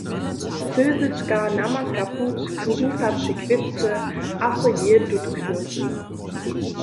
Sylzyčka namaka puć k husacej kwětce a so jeje dótkny.